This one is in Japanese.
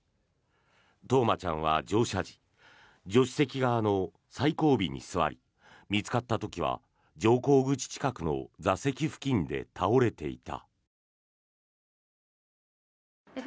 冬生ちゃんは乗車時助手席側の最後尾に座り見つかった時は、乗降口近くの座席付近で倒れていた。